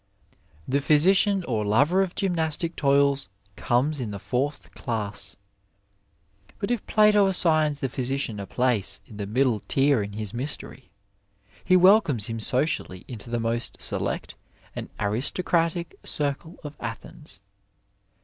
The physician or lover of gymnastic toils comes in the fourth class.^ But if Plato assigns the physician a place in the middle tier in his mystery, he welcomes him socially into the most select and aristocratic circle of Athens.